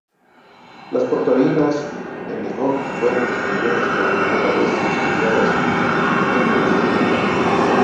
Las proteínas hedgehog fueron descubiertas por primera vez y estudiadas en "Drosophila".